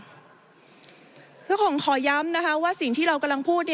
คุณผู้ชมขอย้ำว่าสิ่งที่เรากำลังพูด